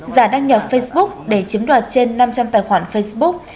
giả đăng nhập facebook để chiếm đoạt trên năm trăm linh tài khoản facebook